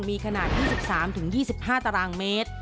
มีขนาด๒๓๒๕ตารางเมตร